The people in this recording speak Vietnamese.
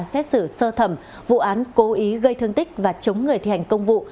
xét xử sơ thẩm vụ án cố ý gây thương tích và chống người thi hành công vụ